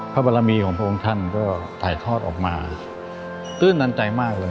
พระบารมีของพระองค์ท่านก็ถ่ายทอดออกมา